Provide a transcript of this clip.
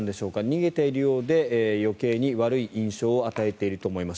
逃げているようで余計に悪い印象を与えていると思います。